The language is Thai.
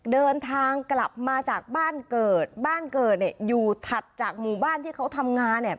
เดินทางกลับมาจากบ้านเกิดบ้านเกิดเนี่ยอยู่ถัดจากหมู่บ้านที่เขาทำงานเนี่ย